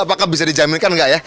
apakah bisa dijaminkan nggak ya